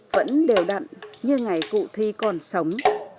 vẫn đều đặn như ngày cụ thi còn sống